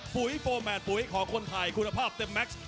ปุ๋ยโฟร์แมทปุ๋ยของคนไทยคุณภาพเต็มแม็กซ์